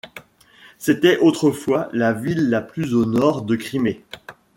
C'était autrefois la ville la plus au nord de Crimée.